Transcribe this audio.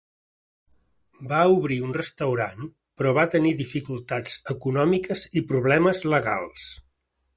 Va obrir un restaurant, però va tenir dificultats econòmiques i problemes legals.